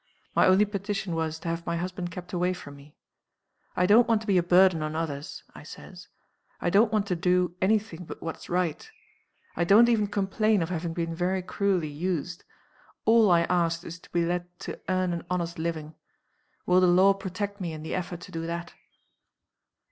My only petition was to have my husband kept away from me. 'I don't want to be a burden on others' (I says) 'I don't want to do any thing but what's right. I don't even complain of having been very cruelly used. All I ask is to be let to earn an honest living. Will the law protect me in the effort to do that?